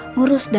ngurus deh ya